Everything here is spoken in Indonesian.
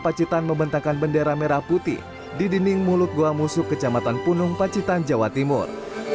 pacitan membentangkan bendera merah putih di dinding mulut goa musuh kecamatan punung pacitan jawa timur